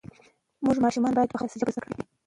زموږ ماشومان باید په خپله ژبه زده کړه وکړي.